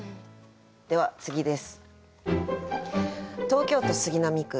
では次です。